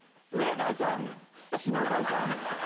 上田さん下田さん。